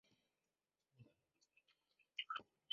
他的名字叫一休。